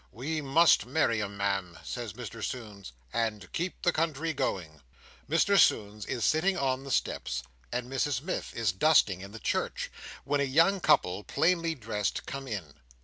We must marry 'em, Ma'am," says Mr Sownds, "and keep the country going." Mr Sownds is sitting on the steps and Mrs Miff is dusting in the church, when a young couple, plainly dressed, come in.